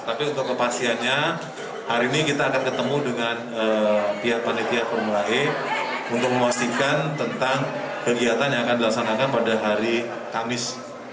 tapi untuk kepastiannya hari ini kita akan ketemu dengan pihak panitia formula e untuk memastikan tentang kegiatan yang akan dilaksanakan pada hari kamis